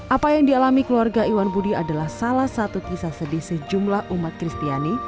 apa yang dialami keluarga iwan budi adalah salah satu kisah sedih sejumlah umat kristiani